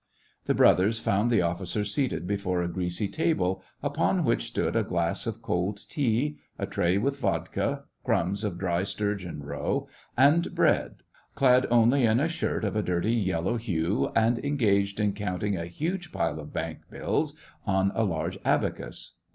The brothers found the officer seated before a greasy table, upon which stood a glass of cold tea, a tray with vodka, crumbs of dry sturgeon roe, and bread, clad only in a shirt of a dirty yellow hue, and engaged in counting a huge pile of bank bills on a large abacus.